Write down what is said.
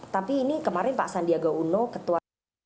tapi ini kemarin pak sandiaga uno ketua